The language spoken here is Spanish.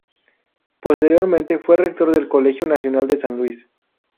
Posteriormente fue Rector del Colegio Nacional de San Luis.